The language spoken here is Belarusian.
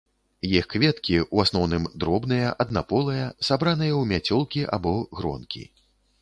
Іх кветкі, у асноўным, дробныя аднаполыя, сабраныя ў мяцёлкі або гронкі.